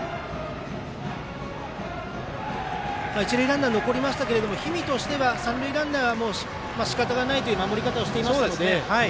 一塁ランナー残りましたけども氷見としては三塁ランナーはしかたがないという守り方をしていましたよね。